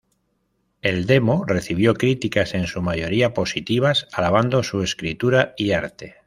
El demo recibió críticas en su mayoría positivas, alabando su escritura y arte.